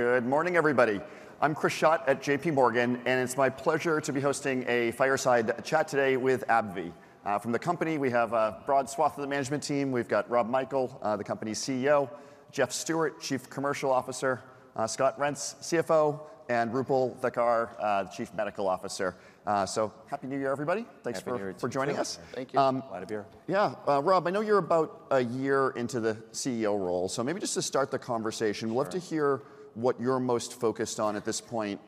Good morning, everybody. I'm Chris Schott at JPMorgan, and it's my pleasure to be hosting a fireside chat today with AbbVie. From the company, we have a broad swath of the management team. We've got Rob Michael, the company's CEO; Jeff Stewart, Chief Commercial Officer; Scott Reents, CFO; and Roopal Thakkar, the Chief Medical Officer. So happy New Year, everybody. Thanks for joining us. Thank you. Glad to be here. Yeah. Rob, I know you're about a year into the CEO role, so maybe just to start the conversation, we'd love to hear what you're most focused on at this point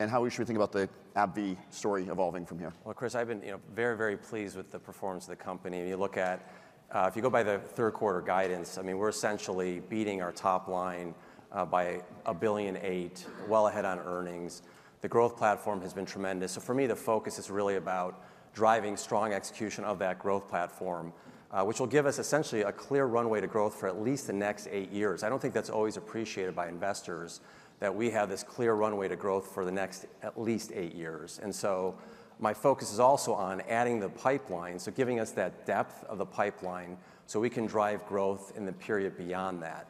and how we should be thinking about the AbbVie story evolving from here. Chris, I've been very, very pleased with the performance of the company. If you look at, if you go by the third quarter guidance, I mean, we're essentially beating our top line by $1.8 billion, well ahead on earnings. The growth platform has been tremendous. So for me, the focus is really about driving strong execution of that growth platform, which will give us essentially a clear runway to growth for at least the next eight years. I don't think that's always appreciated by investors, that we have this clear runway to growth for the next at least eight years. And so my focus is also on adding the pipeline, so giving us that depth of the pipeline so we can drive growth in the period beyond that.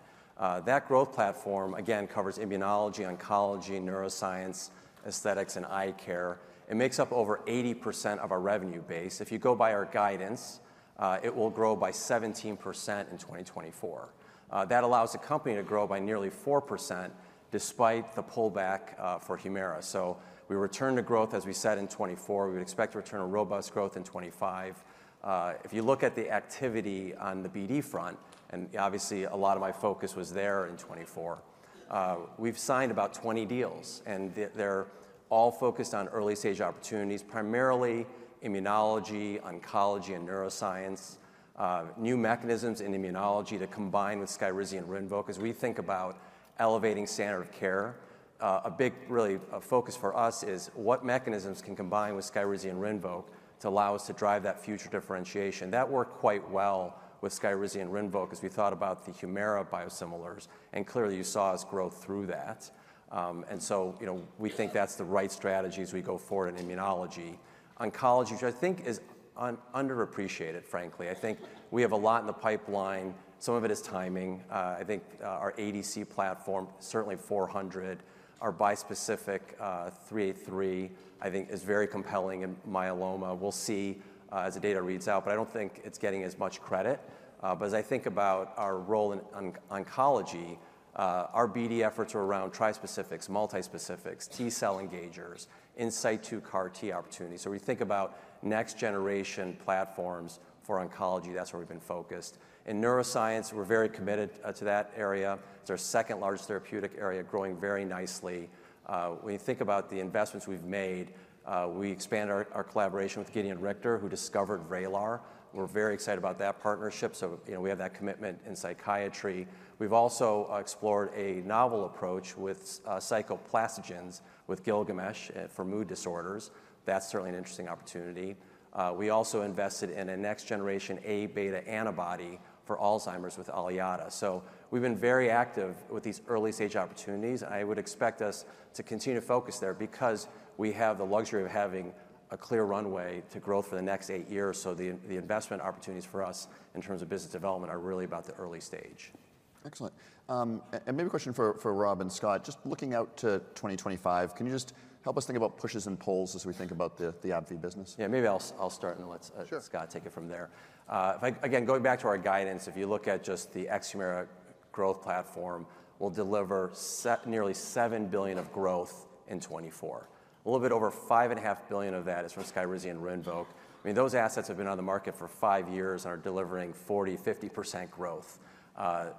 That growth platform, again, covers immunology, oncology, neuroscience, aesthetics, and eye care. It makes up over 80% of our revenue base. If you go by our guidance, it will grow by 17% in 2024. That allows the company to grow by nearly 4% despite the pullback for Humira. So we returned to growth, as we said, in 2024. We would expect a return of robust growth in 2025. If you look at the activity on the BD front, and obviously a lot of my focus was there in 2024, we've signed about 20 deals, and they're all focused on early-stage opportunities, primarily immunology, oncology, and neuroscience, new mechanisms in immunology that combine with Skyrizi and Rinvoq as we think about elevating standard of care. A big, really, focus for us is what mechanisms can combine with Skyrizi and Rinvoq to allow us to drive that future differentiation. That worked quite well with Skyrizi and Rinvoq as we thought about the Humira biosimilars, and clearly you saw us grow through that. And so we think that's the right strategy as we go forward in immunology. Oncology, which I think is underappreciated, frankly. I think we have a lot in the pipeline. Some of it is timing. I think our ADC platform, certainly 400, our bispecific 383, I think is very compelling in myeloma. We'll see as the data reads out, but I don't think it's getting as much credit. But as I think about our role in oncology, our BD efforts are around trispecifics, multispecifics, T-cell engagers, in situ CAR-T opportunities. So we think about next-generation platforms for oncology. That's where we've been focused. In neuroscience, we're very committed to that area. It's our second-largest therapeutic area, growing very nicely. When you think about the investments we've made, we expanded our collaboration with Gedeon Richter, who discovered Vraylar. We're very excited about that partnership. So we have that commitment in psychiatry. We've also explored a novel approach with psychoplastogens with Gilgamesh for mood disorders. That's certainly an interesting opportunity. We also invested in a next-generation A-beta antibody for Alzheimer's with Aliada. So we've been very active with these early-stage opportunities, and I would expect us to continue to focus there because we have the luxury of having a clear runway to grow for the next eight years. So the investment opportunities for us in terms of business development are really about the early stage. Excellent. Maybe a question for Rob and Scott. Just looking out to 2025, can you just help us think about pushes and pulls as we think about the AbbVie business? Yeah, maybe I'll start, and then let Scott take it from there. Again, going back to our guidance, if you look at just the ex-Humira growth platform, we'll deliver nearly $7 billion of growth in 2024. A little bit over $5.5 billion of that is from Skyrizi and Rinvoq. I mean, those assets have been on the market for five years and are delivering 40%, 50% growth.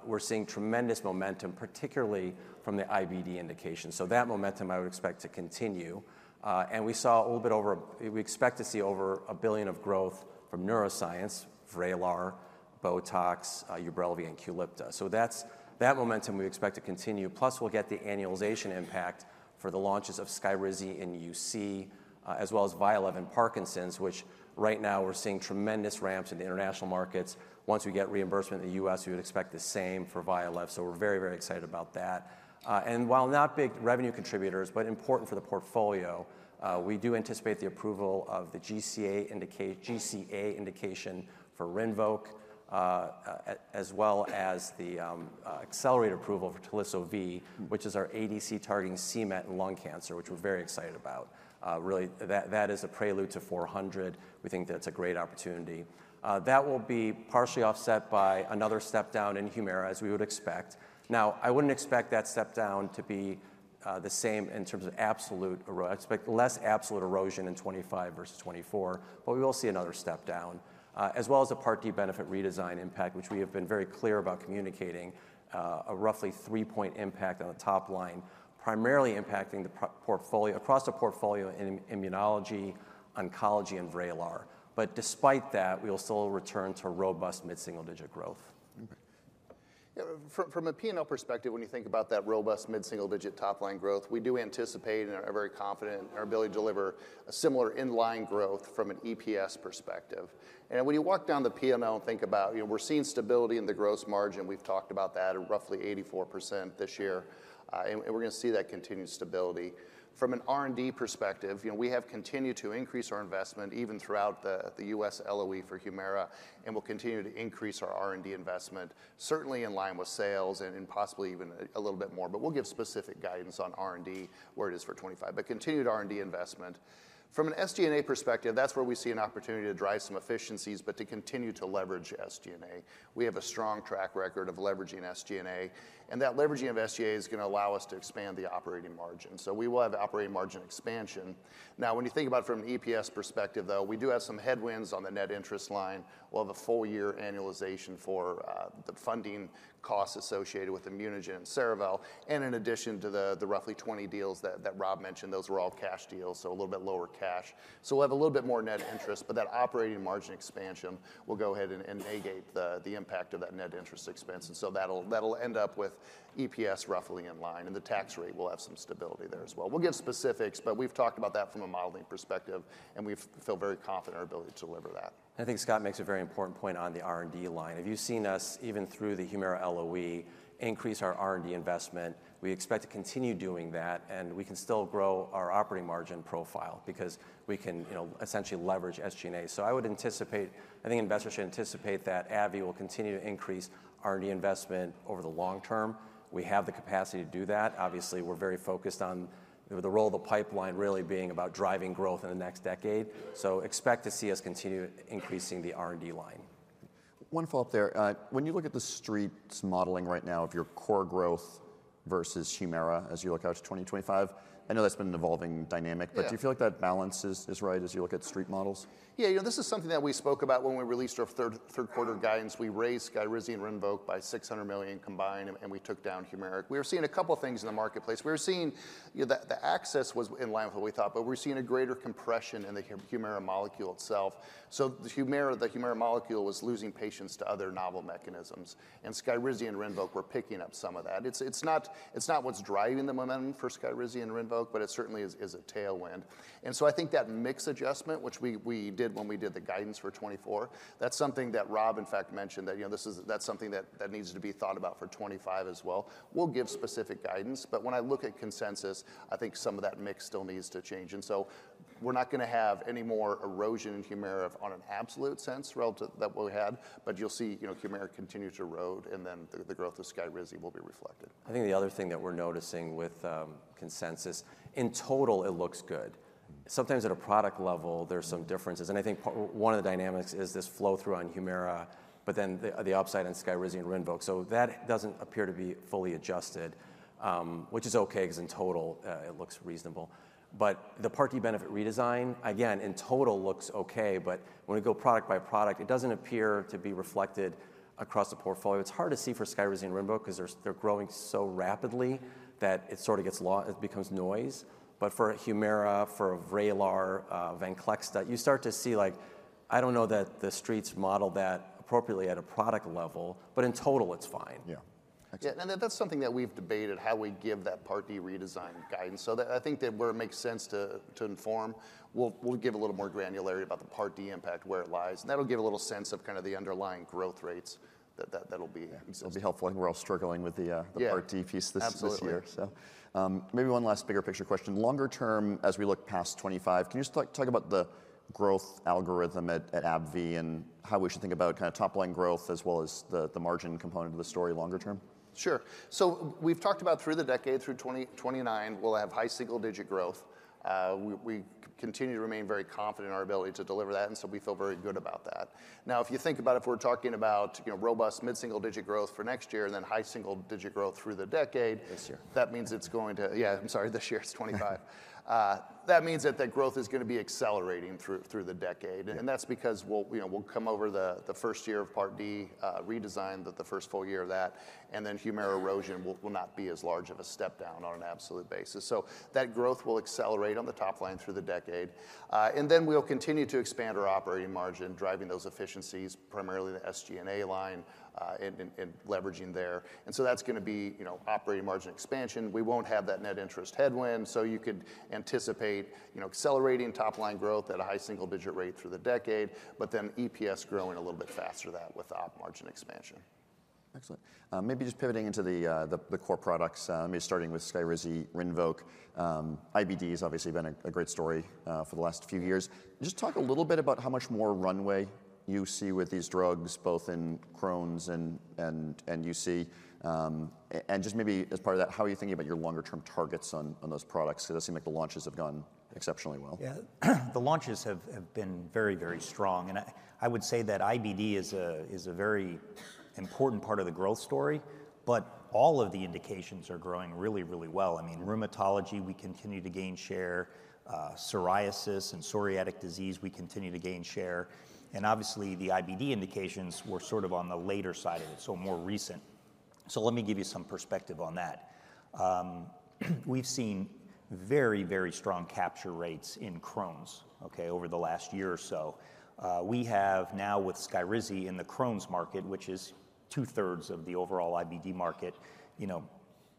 We're seeing tremendous momentum, particularly from the IBD indication. So that momentum I would expect to continue. And we saw a little bit over, we expect to see over $1 billion of growth from neuroscience, Vraylar, Botox, Ubrelvy, and Qulipta. So that momentum we expect to continue. Plus, we'll get the annualization impact for the launches of Skyrizi and UC, as well as Vyalev and Parkinson's, which right now we're seeing tremendous ramps in the international markets. Once we get reimbursement in the U.S., we would expect the same for Vyalev. So we're very, very excited about that. And while not big revenue contributors, but important for the portfolio, we do anticipate the approval of the GCA indication for Rinvoq, as well as the accelerated approval for Teliso-V, which is our ADC targeting c-Met and lung cancer, which we're very excited about. Really, that is a prelude to 400. We think that's a great opportunity. That will be partially offset by another step down in Humira, as we would expect. Now, I wouldn't expect that step down to be the same in terms of absolute erosion. I expect less absolute erosion in 2025 versus 2024, but we will see another step down, as well as a Part D benefit redesign impact, which we have been very clear about communicating a roughly three-point impact on the top line, primarily impacting the portfolio in immunology, oncology, and Vraylar. But despite that, we will still return to robust mid-single digit growth. From a P&L perspective, when you think about that robust mid-single digit top line growth, we do anticipate and are very confident in our ability to deliver a similar inline growth from an EPS perspective. And when you walk down the P&L and think about, we're seeing stability in the gross margin. We've talked about that at roughly 84% this year, and we're going to see that continued stability. From an R&D perspective, we have continued to increase our investment even throughout the U.S. LOE for Humira, and we'll continue to increase our R&D investment, certainly in line with sales and possibly even a little bit more, but we'll give specific guidance on R&D where it is for 2025, but continued R&D investment. From an SG&A perspective, that's where we see an opportunity to drive some efficiencies, but to continue to leverage SG&A. We have a strong track record of leveraging SG&A, and that leveraging of SG&A is going to allow us to expand the operating margin. So we will have operating margin expansion. Now, when you think about it from an EPS perspective, though, we do have some headwinds on the net interest line. We'll have a full year annualization for the funding costs associated with ImmunoGen and Cerevel, and in addition to the roughly 20 deals that Rob mentioned, those were all cash deals, so a little bit lower cash. So we'll have a little bit more net interest, but that operating margin expansion will go ahead and negate the impact of that net interest expense. And so that'll end up with EPS roughly in line, and the tax rate will have some stability there as well. We'll give specifics, but we've talked about that from a modeling perspective, and we feel very confident in our ability to deliver that. I think Scott makes a very important point on the R&D line. If you've seen us even through the Humira LOE increase our R&D investment, we expect to continue doing that, and we can still grow our operating margin profile because we can essentially leverage SG&A. So I would anticipate, I think investors should anticipate that AbbVie will continue to increase R&D investment over the long term. We have the capacity to do that. Obviously, we're very focused on the role of the pipeline really being about driving growth in the next decade. So expect to see us continue increasing the R&D line. One follow-up there. When you look at the Street's modeling right now of your core growth versus Humira as you look out to 2025, I know that's been an evolving dynamic, but do you feel like that balance is right as you look at street models? Yeah, you know, this is something that we spoke about when we released our third quarter guidance. We raised Skyrizi and Rinvoq by $600 million combined, and we took down Humira. We were seeing a couple of things in the marketplace. We were seeing the access was in line with what we thought, but we were seeing a greater compression in the Humira molecule itself. So the Humira molecule was losing patients to other novel mechanisms, and Skyrizi and Rinvoq were picking up some of that. It's not what's driving the momentum for Skyrizi and Rinvoq, but it certainly is a tailwind. And so I think that mix adjustment, which we did when we did the guidance for 2024, that's something that Rob, in fact, mentioned that that's something that needs to be thought about for 2025 as well. We'll give specific guidance, but when I look at consensus, I think some of that mix still needs to change, and so we're not going to have any more erosion in Humira on an absolute sense relative to what we had, but you'll see Humira continues to erode, and then the growth of Skyrizi will be reflected. I think the other thing that we're noticing with consensus, in total, it looks good. Sometimes at a product level, there are some differences, and I think one of the dynamics is this flow-through on Humira, but then the upside in Skyrizi and Rinvoq, so that doesn't appear to be fully adjusted, which is okay because in total, it looks reasonable, but the Part D benefit redesign, again, in total looks okay, but when we go product by product, it doesn't appear to be reflected across the portfolio. It's hard to see for Skyrizi and Rinvoq because they're growing so rapidly that it sort of becomes noise, but for Humira, for Vraylar, Venclexta, you start to see, like, I don't know that the streets model that appropriately at a product level, but in total, it's fine. Yeah. Yeah, and that's something that we've debated, how we give that Part D redesign guidance. So I think that where it makes sense to inform, we'll give a little more granularity about the Part D impact, where it lies. And that'll give a little sense of kind of the underlying growth rates that'll be. It'll be helpful. I think we're all struggling with the Part D piece this year. So maybe one last bigger picture question. Longer term, as we look past 2025, can you just talk about the growth algorithm at AbbVie and how we should think about kind of top line growth as well as the margin component of the story longer term? Sure. So we've talked about through the decade, through 2029, we'll have high single digit growth. We continue to remain very confident in our ability to deliver that, and so we feel very good about that. Now, if you think about it, if we're talking about robust mid-single digit growth for next year and then high single digit growth through the decade, that means it's going to, yeah, I'm sorry, this year it's 2025. That means that that growth is going to be accelerating through the decade. And that's because we'll come over the first year of Part D redesign, the first full year of that, and then Humira erosion will not be as large of a step down on an absolute basis. So that growth will accelerate on the top line through the decade. And then we'll continue to expand our operating margin, driving those efficiencies, primarily the SG&A line and leveraging there. And so that's going to be operating margin expansion. We won't have that net interest headwind, so you could anticipate accelerating top line growth at a high single digit rate through the decade, but then EPS growing a little bit faster than that with op margin expansion. Excellent. Maybe just pivoting into the core products, maybe starting with Skyrizi, Rinvoq, IBD has obviously been a great story for the last few years. Just talk a little bit about how much more runway you see with these drugs, both in Crohn's and UC. And just maybe as part of that, how are you thinking about your longer-term targets on those products? Because it seems like the launches have gone exceptionally well. Yeah, the launches have been very, very strong, and I would say that IBD is a very important part of the growth story, but all of the indications are growing really, really well. I mean, rheumatology, we continue to gain share. Psoriasis and psoriatic disease, we continue to gain share, and obviously, the IBD indications were sort of on the later side of it, so more recent, so let me give you some perspective on that. We've seen very, very strong capture rates in Crohn's, okay, over the last year or so. We have now with Skyrizi in the Crohn's market, which is two-thirds of the overall IBD market,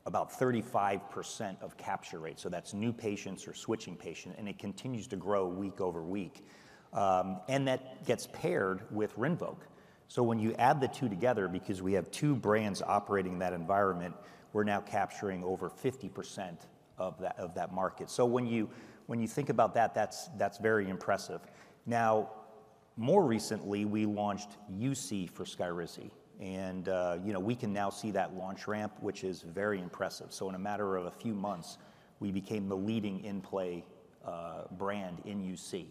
about 35% of capture rate. So that's new patients or switching patients, and it continues to grow week over week, and that gets paired with Rinvoq. So when you add the two together, because we have two brands operating in that environment, we're now capturing over 50% of that market. So when you think about that, that's very impressive. Now, more recently, we launched UC for Skyrizi, and we can now see that launch ramp, which is very impressive. So in a matter of a few months, we became the leading in-play brand in UC.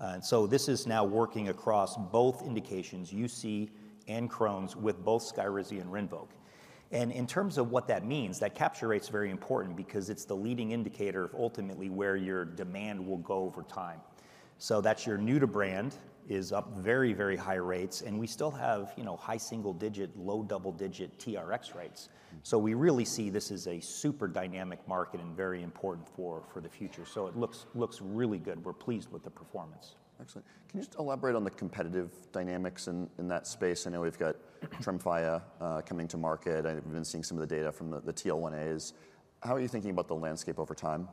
And so this is now working across both indications, UC and Crohn's, with both Skyrizi and Rinvoq. And in terms of what that means, that capture rate's very important because it's the leading indicator of ultimately where your demand will go over time. So that's your new-to-brand is up very, very high rates, and we still have high single digit, low double digit TRX rates. So we really see this as a super dynamic market and very important for the future. So it looks really good. We're pleased with the performance. Excellent. Can you just elaborate on the competitive dynamics in that space? I know we've got Tremfya coming to market. I've been seeing some of the data from the TL1As. How are you thinking about the landscape over time?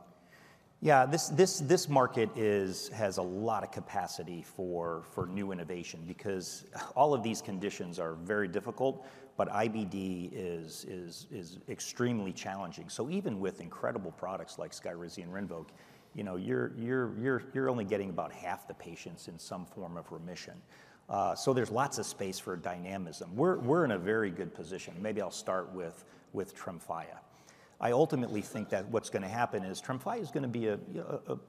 Yeah, this market has a lot of capacity for new innovation because all of these conditions are very difficult, but IBD is extremely challenging. So even with incredible products like Skyrizi and Rinvoq, you're only getting about half the patients in some form of remission. So there's lots of space for dynamism. We're in a very good position. Maybe I'll start with Tremfya. I ultimately think that what's going to happen is Tremfya is going to be a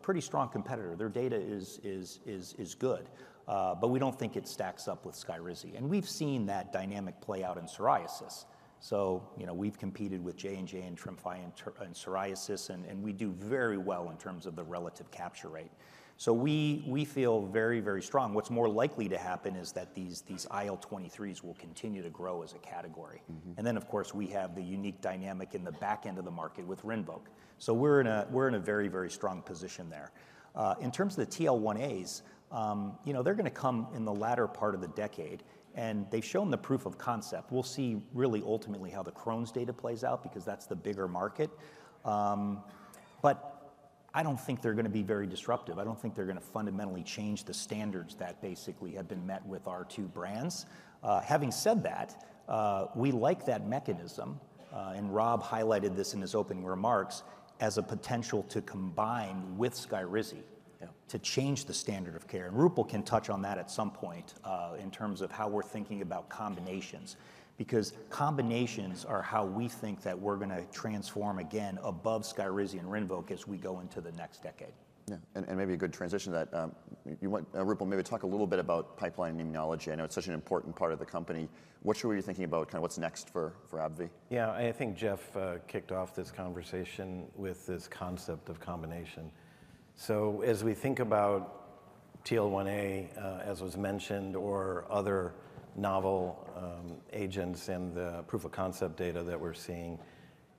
pretty strong competitor. Their data is good, but we don't think it stacks up with Skyrizi. And we've seen that dynamic play out in psoriasis. So we've competed with J&J and Tremfya in psoriasis, and we do very well in terms of the relative capture rate. So we feel very, very strong. What's more likely to happen is that these IL-23s will continue to grow as a category. And then, of course, we have the unique dynamic in the back end of the market with Rinvoq. So we're in a very, very strong position there. In terms of the TL1As, they're going to come in the latter part of the decade, and they've shown the proof of concept. We'll see really ultimately how the Crohn's data plays out because that's the bigger market. But I don't think they're going to be very disruptive. I don't think they're going to fundamentally change the standards that basically have been met with our two brands. Having said that, we like that mechanism, and Rob highlighted this in his opening remarks as a potential to combine with Skyrizi to change the standard of care. Roopal can touch on that at some point in terms of how we're thinking about combinations because combinations are how we think that we're going to transform again above Skyrizi and Rinvoq as we go into the next decade. Yeah, and maybe a good transition to that. Roopal, maybe talk a little bit about pipeline immunology. I know it's such an important part of the company. What should we be thinking about kind of what's next for AbbVie? Yeah, I think Jeff kicked off this conversation with this concept of combination. So as we think about TL1A, as was mentioned, or other novel agents in the proof of concept data that we're seeing,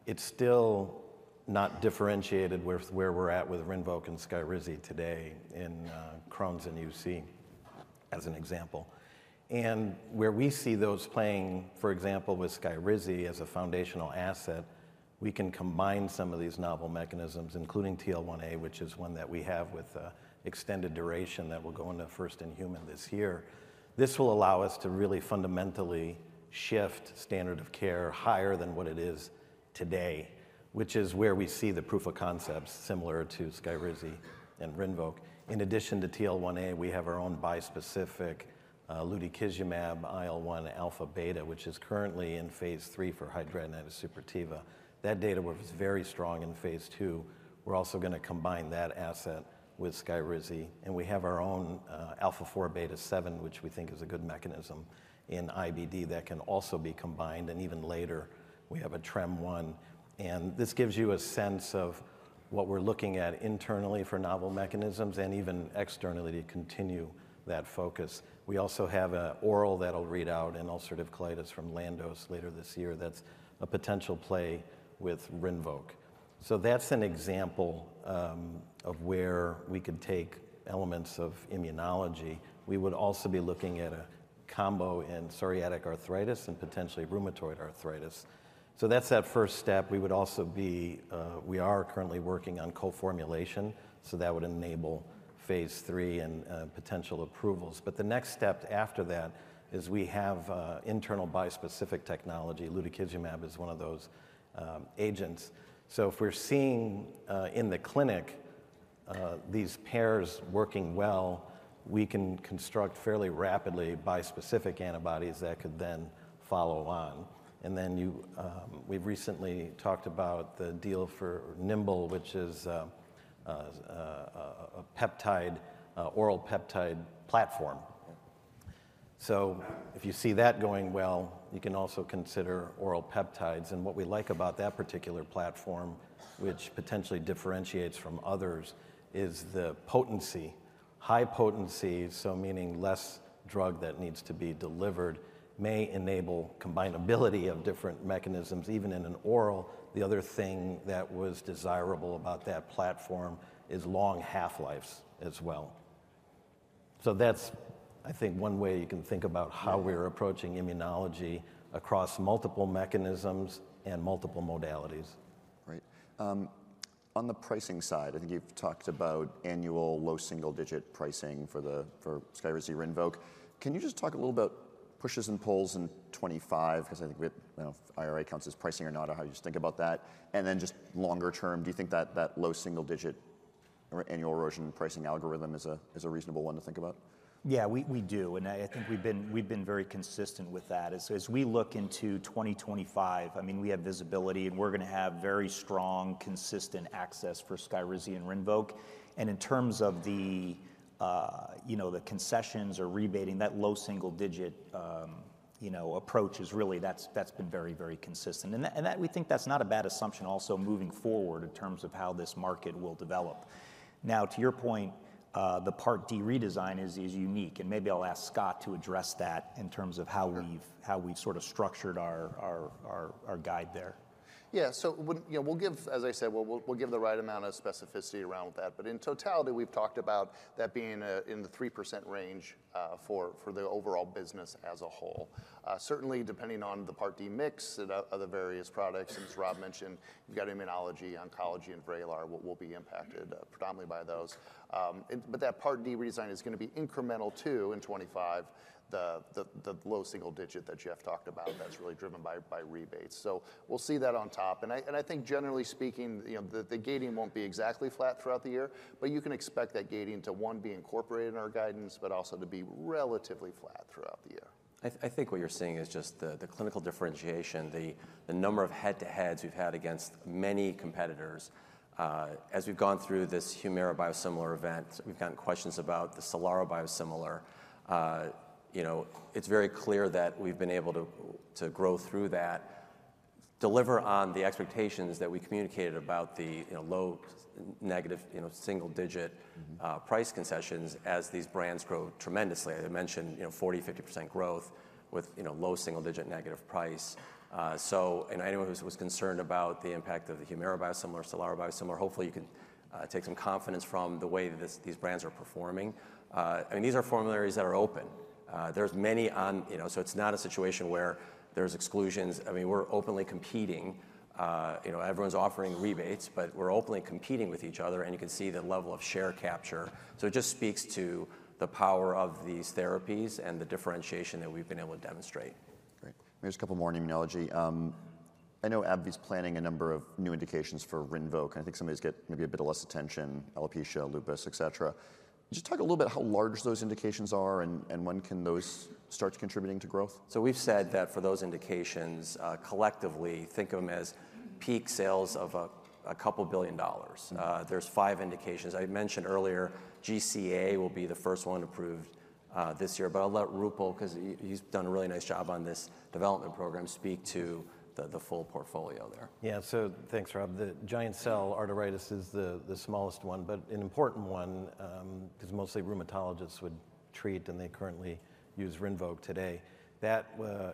it's still not differentiated where we're at with Rinvoq and Skyrizi today in Crohn's and UC, as an example. And where we see those playing, for example, with Skyrizi as a foundational asset, we can combine some of these novel mechanisms, including TL1A, which is one that we have with extended duration that will go into first in human this year. This will allow us to really fundamentally shift standard of care higher than what it is today, which is where we see the proof of concepts similar to Skyrizi and Rinvoq. In addition to TL1A, we have our own bispecific Lutikizumab IL-1 alpha beta, which is currently in phase three for hidradenitis suppurativa. That data was very strong in phase two. We're also going to combine that asset with Skyrizi, and we have our own alpha-4 beta-7, which we think is a good mechanism in IBD that can also be combined. And even later, we have a TREM1. And this gives you a sense of what we're looking at internally for novel mechanisms and even externally to continue that focus. We also have an oral that'll read out in ulcerative colitis from Landos later this year that's a potential play with Rinvoq. So that's an example of where we could take elements of immunology. We would also be looking at a combo in psoriatic arthritis and potentially rheumatoid arthritis. So that's that first step. We are currently working on co-formulation, so that would enable phase three and potential approvals. But the next step after that is we have internal bispecific technology. Lutikizumab is one of those agents. So if we're seeing in the clinic these pairs working well, we can construct fairly rapidly bispecific antibodies that could then follow on. And then we've recently talked about the deal for Nimble, which is a peptide, oral peptide platform. So if you see that going well, you can also consider oral peptides. And what we like about that particular platform, which potentially differentiates from others, is the potency. High potency, so meaning less drug that needs to be delivered, may enable combinability of different mechanisms, even in an oral. The other thing that was desirable about that platform is long half-lives as well. So that's, I think, one way you can think about how we're approaching immunology across multiple mechanisms and multiple modalities. Right. On the pricing side, I think you've talked about annual low single digit pricing for Skyrizi and Rinvoq. Can you just talk a little about pushes and pulls in 2025? Because I think IRA counts as pricing or not, or how you just think about that. And then just longer term, do you think that low single digit or annual erosion pricing algorithm is a reasonable one to think about? Yeah, we do. And I think we've been very consistent with that. As we look into 2025, I mean, we have visibility, and we're going to have very strong, consistent access for Skyrizi and Rinvoq. And in terms of the concessions or rebating, that low single digit approach is really, that's been very, very consistent. And we think that's not a bad assumption also moving forward in terms of how this market will develop. Now, to your point, the Part D redesign is unique. And maybe I'll ask Scott to address that in terms of how we've sort of structured our guide there. Yeah, so we'll give, as I said, we'll give the right amount of specificity around that. But in totality, we've talked about that being in the 3% range for the overall business as a whole. Certainly, depending on the Part D mix of the various products, and as Rob mentioned, you've got immunology, oncology, and Vraylar will be impacted predominantly by those. But that Part D redesign is going to be incremental too in 2025, the low single digit that Jeff talked about that's really driven by rebates. So we'll see that on top. And I think generally speaking, the guidance won't be exactly flat throughout the year, but you can expect that guidance to, one, be incorporated in our guidance, but also to be relatively flat throughout the year. I think what you're seeing is just the clinical differentiation, the number of head-to-heads we've had against many competitors. As we've gone through this Humira biosimilar event, we've gotten questions about the Stelara biosimilar. It's very clear that we've been able to grow through that, deliver on the expectations that we communicated about the low negative single digit price concessions as these brands grow tremendously. I mentioned 40%-50% growth with low single digit negative price. So anyone who was concerned about the impact of the Humira biosimilar, Stelara biosimilar, hopefully you can take some confidence from the way that these brands are performing. I mean, these are formularies that are open. There's many on, so it's not a situation where there's exclusions. I mean, we're openly competing. Everyone's offering rebates, but we're openly competing with each other, and you can see the level of share capture. So it just speaks to the power of these therapies and the differentiation that we've been able to demonstrate. Great. Maybe just a couple more on immunology. I know AbbVie's planning a number of new indications for Rinvoq, and I think some of these get maybe a bit of less attention, Alopecia, Lupus, et cetera. Just talk a little bit about how large those indications are and when can those start contributing to growth? We've said that for those indications, collectively, think of them as peak sales of $2 billion. There's five indications. I mentioned earlier, GCA will be the first one approved this year, but I'll let Roopal, because he's done a really nice job on this development program, speak to the full portfolio there. Yeah, so thanks, Rob. The Giant cell arteritis is the smallest one, but an important one because mostly rheumatologists would treat, and they currently use Rinvoq today. That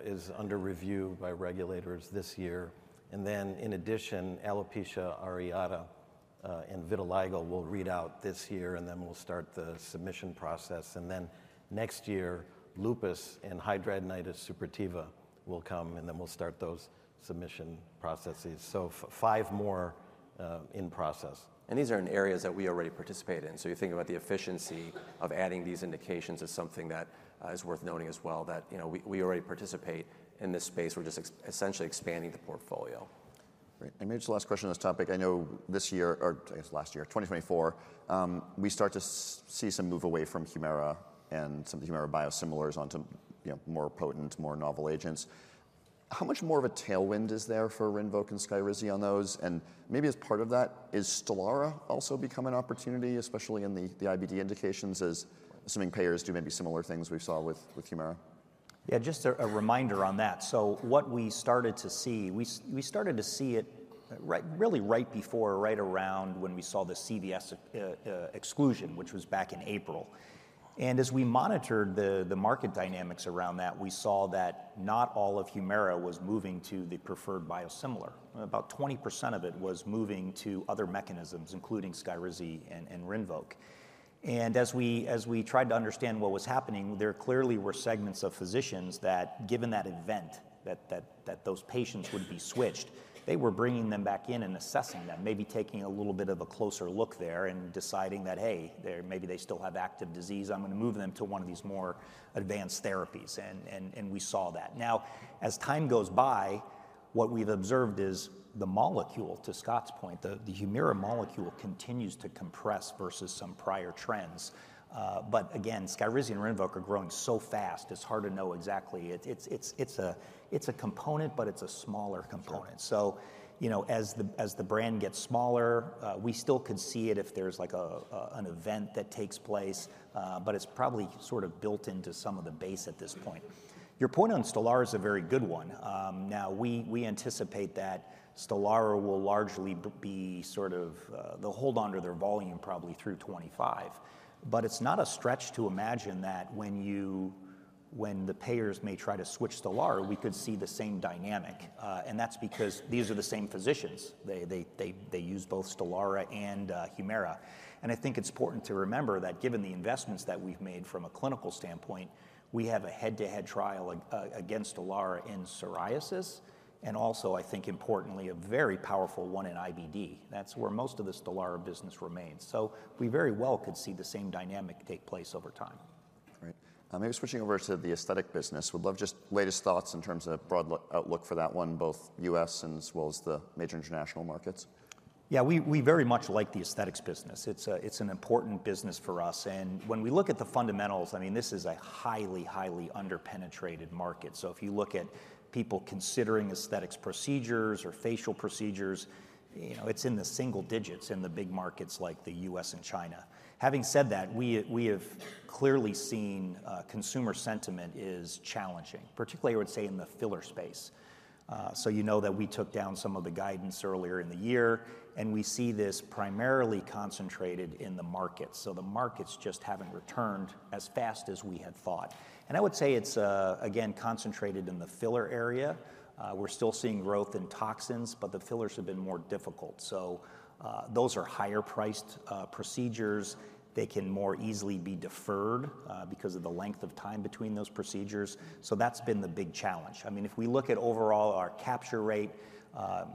is under review by regulators this year, then in addition, Alopecia areata and Vitiligo will read out this year, and then we'll start the submission process. Next year, Lupus and Hidradenitis suppurativa will come, and then we'll start those submission processes. So five more in process. These are in areas that we already participate in. You think about the efficiency of adding these indications is something that is worth noting as well that we already participate in this space. We're just essentially expanding the portfolio. Right, and maybe just the last question on this topic. I know this year, or I guess last year, 2024, we start to see some move away from Humira and some of the Humira biosimilars onto more potent, more novel agents. How much more of a tailwind is there for Rinvoq and Skyrizi on those? And maybe as part of that, is Stelara also becoming an opportunity, especially in the IBD indications, as some payers do maybe similar things we saw with Humira? Yeah, just a reminder on that. So what we started to see, we started to see it really right before, right around when we saw the CVS exclusion, which was back in April. And as we monitored the market dynamics around that, we saw that not all of Humira was moving to the preferred biosimilar. About 20% of it was moving to other mechanisms, including Skyrizi and Rinvoq. And as we tried to understand what was happening, there clearly were segments of physicians that, given that event, that those patients would be switched, they were bringing them back in and assessing them, maybe taking a little bit of a closer look there and deciding that, hey, maybe they still have active disease. I'm going to move them to one of these more advanced therapies. And we saw that. Now, as time goes by, what we've observed is the molecule, to Scott's point, the Humira molecule continues to compress versus some prior trends. But again, Skyrizi and Rinvoq are growing so fast, it's hard to know exactly. It's a component, but it's a smaller component. So as the brand gets smaller, we still could see it if there's like an event that takes place, but it's probably sort of built into some of the base at this point. Your point on Stelara is a very good one. Now, we anticipate that Stelara will largely be sort of, they'll hold on to their volume probably through 2025. But it's not a stretch to imagine that when the payers may try to switch Stelara, we could see the same dynamic, and that's because these are the same physicians. They use both Stelara and Humira. And I think it's important to remember that given the investments that we've made from a clinical standpoint, we have a head-to-head trial against Stelara in psoriasis, and also, I think importantly, a very powerful one in IBD. That's where most of the Stelara business remains. So we very well could see the same dynamic take place over time. Right. Maybe switching over to the aesthetic business, would love just latest thoughts in terms of broad outlook for that one, both U.S. and as well as the major international markets? Yeah, we very much like the aesthetics business. It's an important business for us. And when we look at the fundamentals, I mean, this is a highly, highly underpenetrated market. So if you look at people considering aesthetics procedures or facial procedures, it's in the single digits in the big markets like the U.S. and China. Having said that, we have clearly seen consumer sentiment is challenging, particularly, I would say, in the filler space. So you know that we took down some of the guidance earlier in the year, and we see this primarily concentrated in the markets. So the markets just haven't returned as fast as we had thought. And I would say it's, again, concentrated in the filler area. We're still seeing growth in toxins, but the fillers have been more difficult. So those are higher priced procedures. They can more easily be deferred because of the length of time between those procedures. So that's been the big challenge. I mean, if we look at overall our capture rate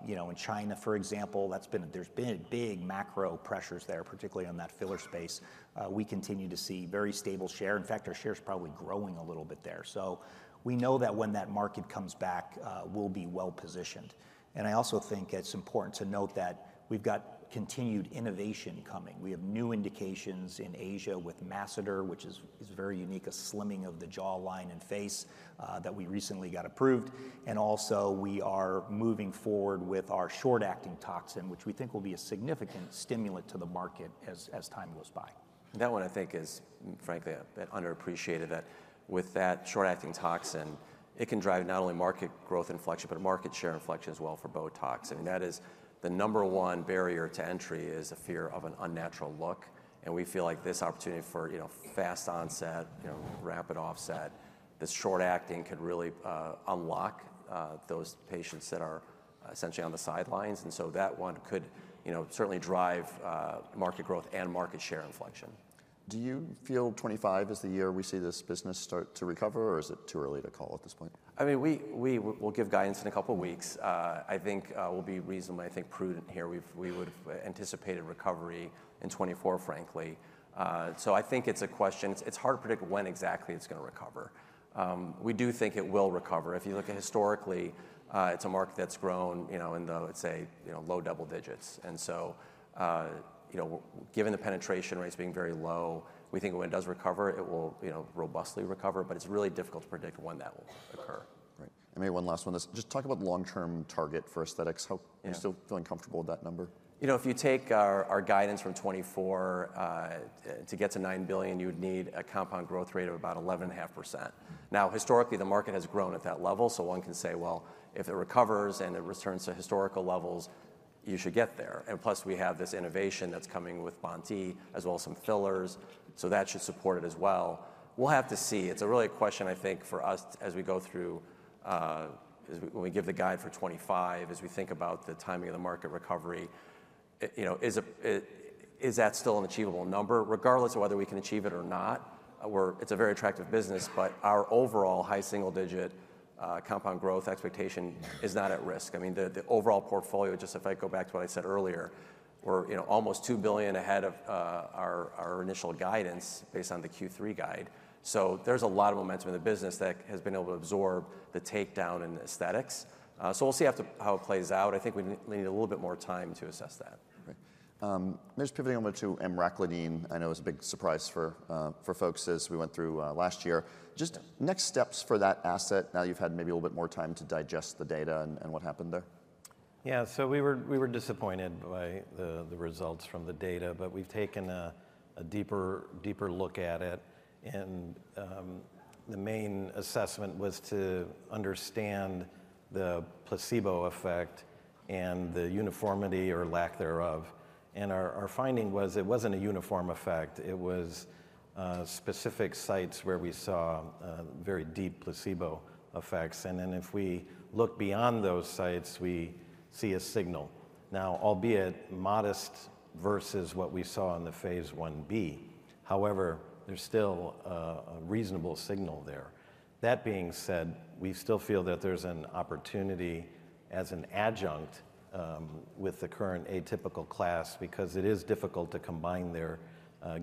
in China, for example, there's been big macro pressures there, particularly on that filler space. We continue to see very stable share. In fact, our share is probably growing a little bit there. So we know that when that market comes back, we'll be well positioned. And I also think it's important to note that we've got continued innovation coming. We have new indications in Asia with masseter, which is very unique, a slimming of the jaw line and face that we recently got approved. And also, we are moving forward with our short-acting toxin, which we think will be a significant stimulant to the market as time goes by. That one, I think, is frankly a bit underappreciated that with that short-acting toxin, it can drive not only market growth inflection, but market share inflection as well for Botox. I mean, that is the number one barrier to entry is the fear of an unnatural look. And we feel like this opportunity for fast onset, rapid offset, this short-acting could really unlock those patients that are essentially on the sidelines. And so that one could certainly drive market growth and market share inflection. Do you feel 2025 is the year we see this business start to recover, or is it too early to call at this point? I mean, we'll give guidance in a couple of weeks. I think we'll be reasonably, I think, prudent here. We would have anticipated recovery in 2024, frankly. So I think it's a question. It's hard to predict when exactly it's going to recover. We do think it will recover. If you look at historically, it's a market that's grown in the, let's say, low double digits. And so given the penetration rates being very low, we think when it does recover, it will robustly recover. But it's really difficult to predict when that will occur. Right. And maybe one last one is just talk about long-term target for aesthetics. Are you still feeling comfortable with that number? You know, if you take our guidance from 2024, to get to $9 billion, you would need a compound growth rate of about 11.5%. Now, historically, the market has grown at that level. So one can say, well, if it recovers and it returns to historical levels, you should get there. And plus, we have this innovation that's coming with BoNT/E as well as some fillers. So that should support it as well. We'll have to see. It's a real question, I think, for us as we go through, when we give the guide for 2025, as we think about the timing of the market recovery, is that still an achievable number, regardless of whether we can achieve it or not? It's a very attractive business, but our overall high single digit compound growth expectation is not at risk. I mean, the overall portfolio, just if I go back to what I said earlier, we're almost $2 billion ahead of our initial guidance based on the Q3 guide. So there's a lot of momentum in the business that has been able to absorb the takedown in aesthetics. So we'll see how it plays out. I think we need a little bit more time to assess that. Right. Maybe just pivoting over to emraclidine, I know it was a big surprise for folks as we went through last year. Just next steps for that asset now that you've had maybe a little bit more time to digest the data and what happened there? Yeah, so we were disappointed by the results from the data, but we've taken a deeper look at it, and the main assessment was to understand the placebo effect and the uniformity or lack thereof, and our finding was it wasn't a uniform effect. It was specific sites where we saw very deep placebo effects, and then if we look beyond those sites, we see a signal, now albeit modest versus what we saw in the phase Ib. However, there's still a reasonable signal there. That being said, we still feel that there's an opportunity as an adjunct with the current atypical class because it is difficult to combine there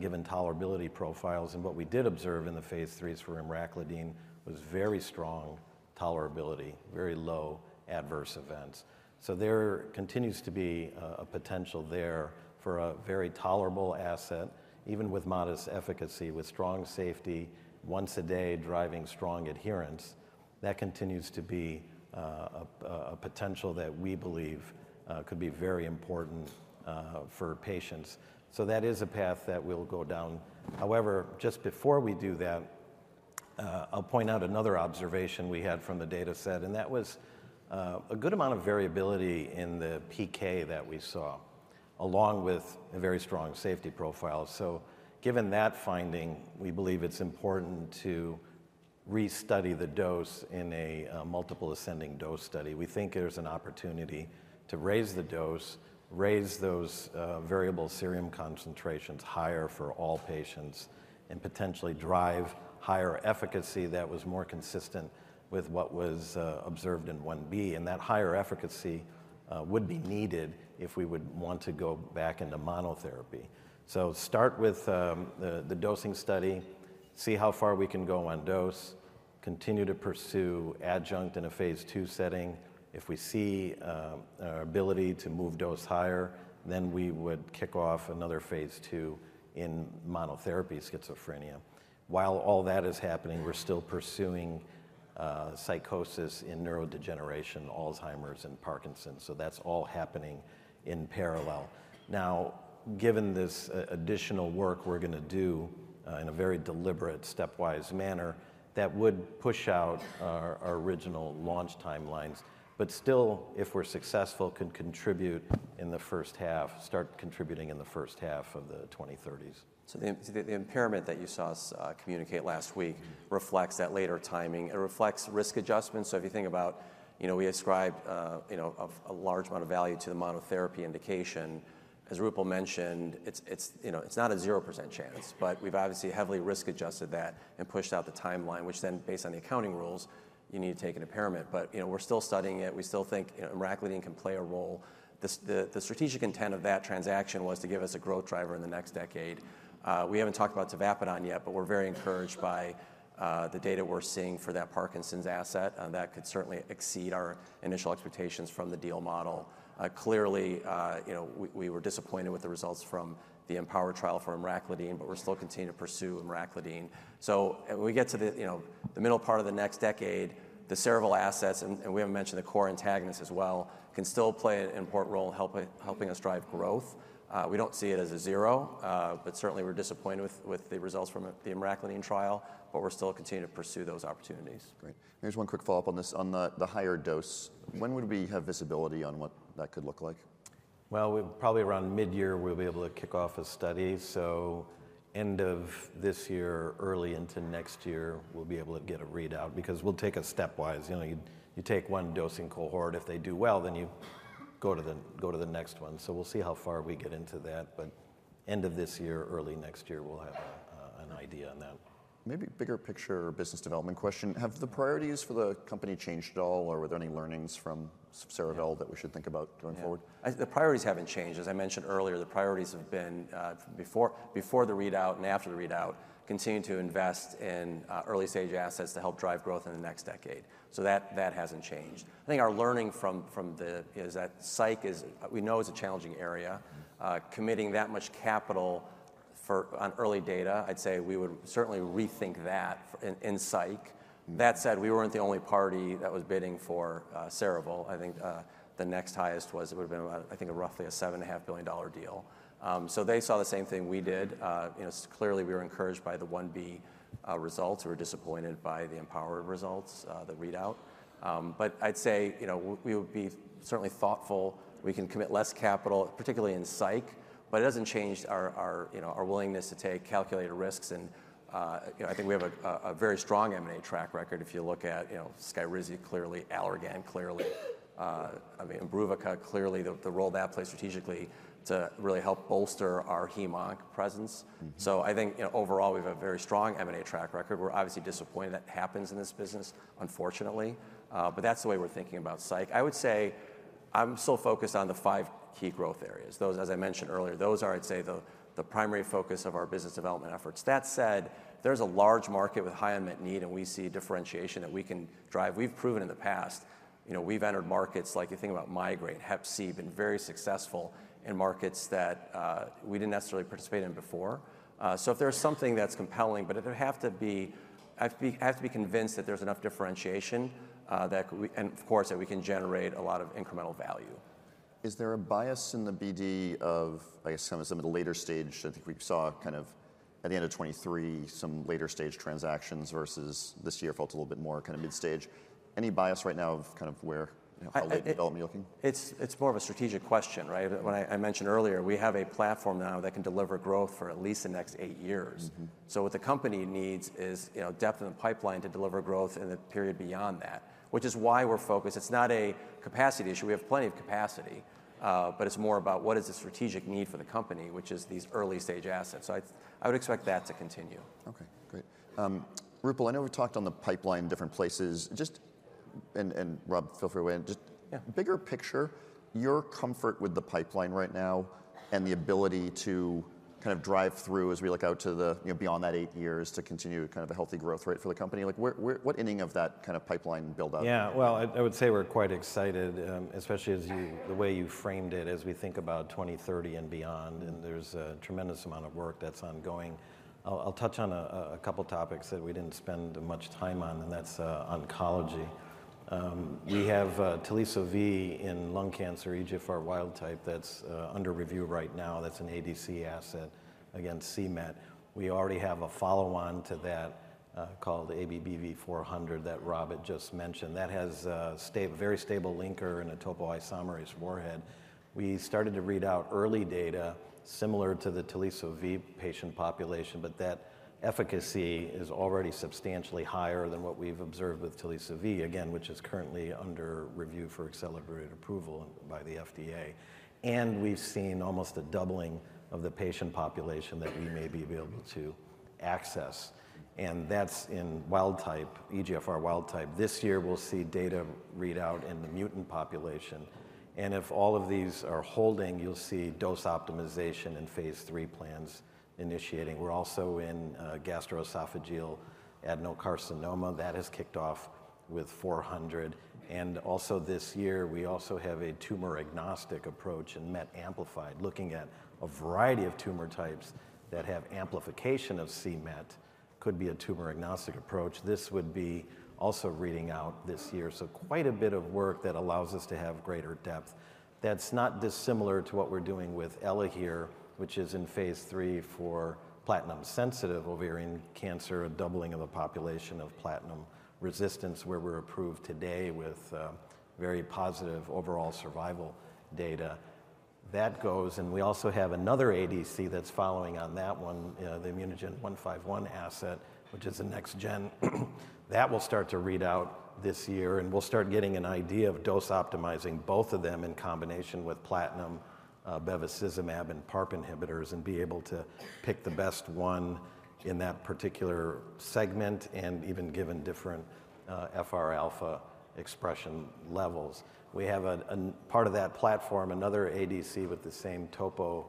given tolerability profiles, and what we did observe in the phase III is for emraclidine was very strong tolerability, very low adverse events. So there continues to be a potential there for a very tolerable asset, even with modest efficacy, with strong safety, once a day driving strong adherence. That continues to be a potential that we believe could be very important for patients. So that is a path that we'll go down. However, just before we do that, I'll point out another observation we had from the data set, and that was a good amount of variability in the PK that we saw, along with a very strong safety profile. So given that finding, we believe it's important to restudy the dose in a multiple ascending dose study. We think there's an opportunity to raise the dose, raise those variable serum concentrations higher for all patients, and potentially drive higher efficacy that was more consistent with what was observed in 1B. And that higher efficacy would be needed if we would want to go back into monotherapy. So start with the dosing study, see how far we can go on dose, continue to pursue adjunct in a phase II setting. If we see our ability to move dose higher, then we would kick off another phase II in monotherapy schizophrenia. While all that is happening, we're still pursuing psychosis in neurodegeneration, Alzheimer's, and Parkinson's. So that's all happening in parallel. Now, given this additional work we're going to do in a very deliberate, stepwise manner, that would push out our original launch timelines. But still, if we're successful, could contribute in the first half, start contributing in the first half of the 2030s. The impairment that you saw us communicate last week reflects that later timing. It reflects risk adjustment. If you think about, we ascribed a large amount of value to the monotherapy indication. As Roopal mentioned, it's not a 0% chance, but we've obviously heavily risk adjusted that and pushed out the timeline, which then, based on the accounting rules, you need to take an impairment. We're still studying it. We still think emraclidine can play a role. The strategic intent of that transaction was to give us a growth driver in the next decade. We haven't talked about Tavapadon yet, but we're very encouraged by the data we're seeing for that Parkinson's asset. That could certainly exceed our initial expectations from the deal model. Clearly, we were disappointed with the results from the EMPOWER trial for emraclidine, but we're still continuing to pursue emraclidine. When we get to the middle part of the next decade, the Cerevel assets, and we haven't mentioned the core antagonist as well, can still play an important role in helping us drive growth. We don't see it as a zero, but certainly we're disappointed with the results from the emraclidine trial, but we're still continuing to pursue those opportunities. Great. Maybe just one quick follow-up on this. On the higher dose, when would we have visibility on what that could look like? Probably around mid-year, we'll be able to kick off a study. End of this year, early into next year, we'll be able to get a readout because we'll take a stepwise. You take one dosing cohort. If they do well, then you go to the next one. We'll see how far we get into that. End of this year, early next year, we'll have an idea on that. Maybe a bigger picture business development question. Have the priorities for the company changed at all, or were there any learnings from Cerevel that we should think about going forward? The priorities haven't changed. As I mentioned earlier, the priorities have been before the readout and after the readout, continue to invest in early stage assets to help drive growth in the next decade. So that hasn't changed. I think our learning from this is that psych is, we know it's a challenging area. Committing that much capital on early data, I'd say we would certainly rethink that in psych. That said, we weren't the only party that was bidding for Cerevel. I think the next highest was, it would have been about, I think, a roughly $7.5 billion deal. So they saw the same thing we did. Clearly, we were encouraged by the 1B results. We were disappointed by the EMPOWER results, the readout. But I'd say we would be certainly thoughtful. We can commit less capital, particularly in psych, but it hasn't changed our willingness to take calculated risks, and I think we have a very strong M&A track record. If you look at Skyrizi, clearly, Allergan, clearly, I mean, Imbruvica, clearly the role that played strategically to really help bolster our Hem/Onc presence, so I think overall, we have a very strong M&A track record. We're obviously disappointed that happens in this business, unfortunately, but that's the way we're thinking about psych. I would say I'm still focused on the five key growth areas. Those, as I mentioned earlier, those are, I'd say, the primary focus of our business development efforts. That said, there's a large market with high unmet need, and we see differentiation that we can drive. We've proven in the past. We've entered markets like you think about migraine, Hep C, been very successful in markets that we didn't necessarily participate in before. So if there's something that's compelling, but it would have to be. I have to be convinced that there's enough differentiation that, and of course, that we can generate a lot of incremental value. Is there a bias in the BD of, I guess, some of the later stage? I think we saw kind of at the end of 2023, some later stage transactions versus this year felt a little bit more kind of mid-stage. Any bias right now of kind of where how late development you're looking? It's more of a strategic question, right? When I mentioned earlier, we have a platform now that can deliver growth for at least the next eight years. So what the company needs is depth in the pipeline to deliver growth in the period beyond that, which is why we're focused. It's not a capacity issue. We have plenty of capacity, but it's more about what is the strategic need for the company, which is these early stage assets. So I would expect that to continue. Okay. Great. Roopal, I know we've talked on the pipeline in different places. Just, and Rob, feel free to weigh in. Just bigger picture, your comfort with the pipeline right now and the ability to kind of drive through as we look out to the beyond that eight years to continue kind of a healthy growth rate for the company. What ending of that kind of pipeline buildup? Yeah, well, I would say we're quite excited, especially as you, the way you framed it as we think about 2030 and beyond. There's a tremendous amount of work that's ongoing. I'll touch on a couple of topics that we didn't spend much time on, and that's oncology. We have Teliso-V in lung cancer, EGFR wild type that's under review right now. That's an ADC asset against c-Met. We already have a follow-on to that called ABBV-400 that Rob had just mentioned. That has a very stable linker and a topoisomerase warhead. We started to read out early data similar to the Teliso-V patient population, but that efficacy is already substantially higher than what we've observed with Teliso-V, again, which is currently under review for accelerated approval by the FDA. We've seen almost a doubling of the patient population that we may be able to access. That's in wild type, EGFR wild-type. This year, we'll see data readout in the mutant population. If all of these are holding, you'll see dose optimization and phase III plans initiating. We're also in gastroesophageal adenocarcinoma. That has kicked off with 400. Also this year, we also have a tumor-agnostic approach and MET-amplified, looking at a variety of tumor types that have amplification of c-Met, could be a tumor-agnostic approach. This would be also reading out this year. Quite a bit of work that allows us to have greater depth. That's not dissimilar to what we're doing with Elahere here, which is in phase III for platinum-sensitive ovarian cancer, a doubling of the population of platinum-resistant where we're approved today with very positive overall survival data. That goes, and we also have another ADC that's following on that one, the ImmunoGen 151 asset, which is a next gen. That will start to read out this year, and we'll start getting an idea of dose optimizing both of them in combination with platinum, bevacizumab, and PARP inhibitors and be able to pick the best one in that particular segment and even given different FR alpha expression levels. We have a part of that platform, another ADC with the same topo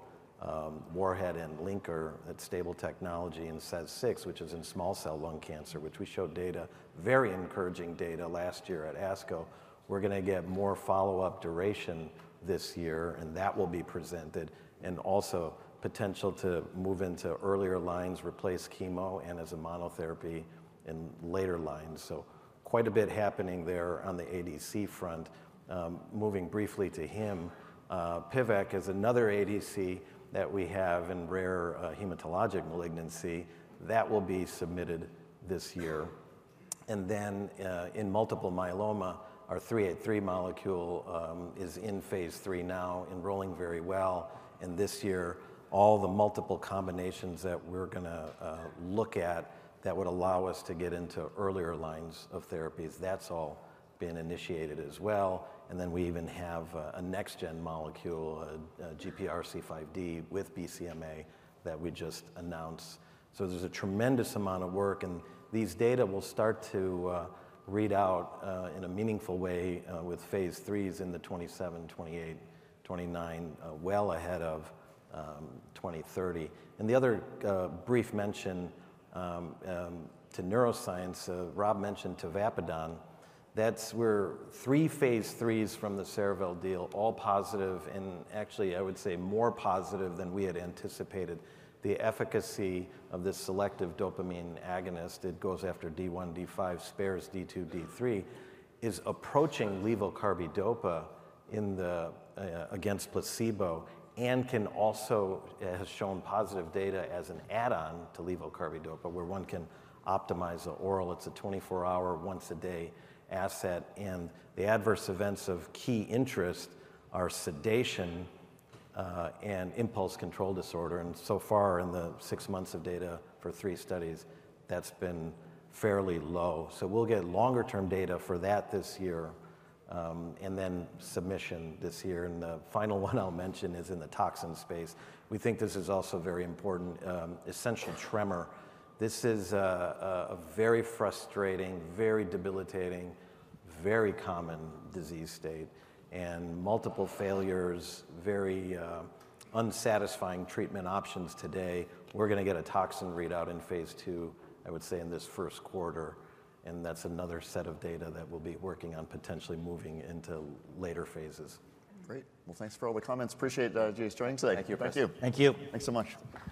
warhead and linker, a stable technology in SEZ6, which is in small cell lung cancer, which we showed data, very encouraging data last year at ASCO. We're going to get more follow-up duration this year, and that will be presented and also potential to move into earlier lines, replace chemo and as a monotherapy in later lines. So quite a bit happening there on the ADC front. Moving briefly to hem, Pivekimab is another ADC that we have in rare hematologic malignancy. That will be submitted this year. In multiple myeloma, our ABBV-383 molecule is in phase III now, enrolling very well. This year, all the multiple combinations that we're going to look at that would allow us to get into earlier lines of therapies, that's all been initiated as well. We even have a next gen molecule, GPRC5D with BCMA that we just announced. So there's a tremendous amount of work, and these data will start to read out in a meaningful way with phase IIIs in 2027, 2028, 2029, well ahead of 2030. The other brief mention to neuroscience, Rob mentioned Tavapadon. That's where three phase IIIs from the Cerevel deal, all positive and actually, I would say more positive than we had anticipated. The efficacy of this selective dopamine agonist that goes after D1, D5, spares D2, D3 is approaching levodopa/carbidopa against placebo and can also has shown positive data as an add-on to levodopa/carbidopa where one can optimize the oral. It's a 24-hour, once-a-day asset. And the adverse events of key interest are sedation and impulse control disorder. And so far in the six months of data for three studies, that's been fairly low. So we'll get longer-term data for that this year and then submission this year. And the final one I'll mention is in the toxin space. We think this is also very important, essential tremor. This is a very frustrating, very debilitating, very common disease state and multiple failures, very unsatisfying treatment options today. We're going to get a toxin readout in phase II, I would say in this first quarter. That's another set of data that we'll be working on potentially moving into later phases. Great. Well, thanks for all the comments. Appreciate you joining today. Thank you. Thank you. Thank you. Thanks so much.